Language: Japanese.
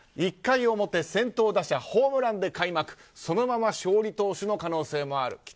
１回表、先頭打者ホームランで開幕そのまま勝利投手の可能性もある。